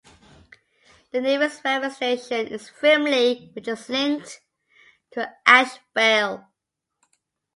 The nearest railway station is Frimley which is linked to Ash Vale.